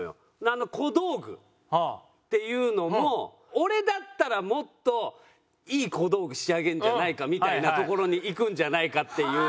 あの小道具っていうのも俺だったらもっといい小道具仕上げるんじゃないかみたいなところにいくんじゃないかっていう。